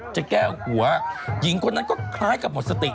แก้วหัวหญิงคนนั้นก็คล้ายกับหมดสติ